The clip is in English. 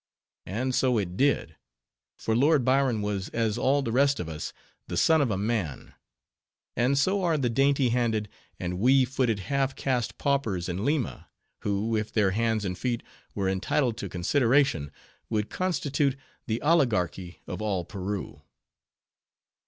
And so it did: for Lord Byron was as all the rest of us—the son of a man. And so are the dainty handed, and wee footed half cast paupers in Lima; who, if their hands and feet were entitled to consideration, would constitute the oligarchy of all Peru.